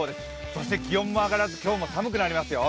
そして気温も上がらず、今日も寒くなりますよ。